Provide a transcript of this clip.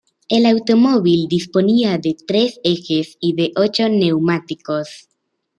El automóvil disponía de tres ejes y de ocho neumáticos.